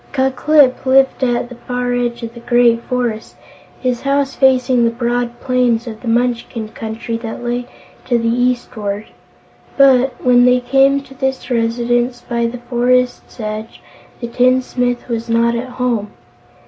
Ku Klip lived at the far edge of the great forest, his house facing the broad plains of the Munchkin Country that lay to the eastward. But, when they came to this residence by the forest's edge, the tinsmith was not at home.